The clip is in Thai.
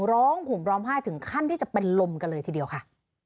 ห่มร้องไห้ถึงขั้นที่จะเป็นลมกันเลยทีเดียวค่ะ